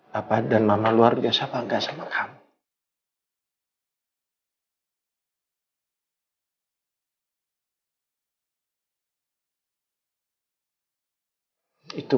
bapak dan mama luar biasa bangga sama kamu